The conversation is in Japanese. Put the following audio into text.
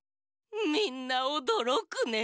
みんなおどろくね。